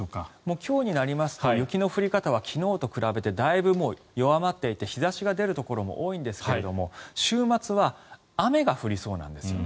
今日になりますと雪の降り方は昨日と比べてだいぶ弱まっていて日差しが出るところも多いんですが週末は雨が降りそうなんですよね。